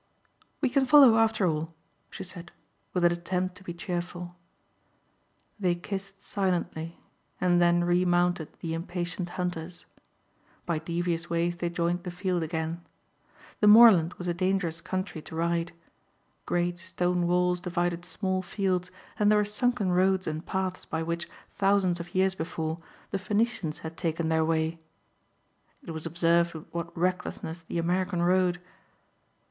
"We can follow after all," she said, with an attempt to be cheerful. They kissed silently and then remounted the impatient hunters. By devious ways they joined the field again. The moorland was a dangerous country to ride. Great stone walls divided small fields and there were sunken roads and paths by which, thousands of years before, the Phoenicians had taken their way. It was observed with what recklessness the American rode.